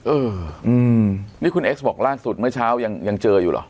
อืมนี่คุณเอสบอกล่าสุดเมื่อเช้ายังเจออยู่เหรอ